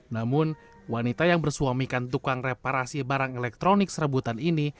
namun wanita yang bersuamikan tukang reparasi barang elektronik serebutan ini